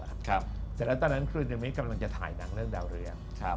เสร็จแล้วตอนนั้นคืนยังไม่กำลังจะถ่ายหนังเรื่องดาวเรือง